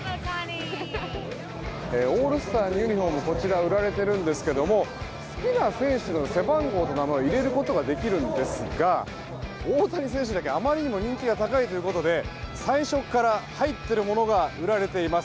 オールスターのユニホームがこちら売られているんですけれど好きな選手の背番号と名前を入れることができるんですが大谷選手だけあまりにも人気が高いということで最初から入っているものが売られています。